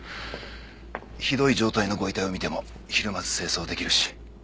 ひどい状態のご遺体を見てもひるまず清掃できるし。